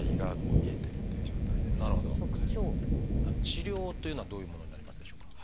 治療というのはどういうものになりますでしょうか？